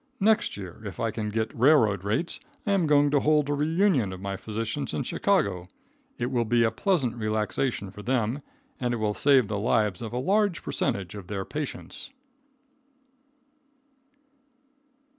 Next year, if I can get railroad rates, I am going to hold a reunion of my physicians in Chicago. It will be a pleasant relaxation for them, and will save the lives of a large percentage of their patients.